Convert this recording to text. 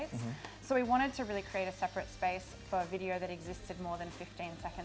jadi kami ingin membuat ruang yang berbeda untuk video yang lebih terdiri dari instagram